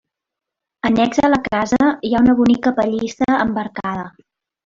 Annex a la casa hi ha una bonica pallissa amb arcada.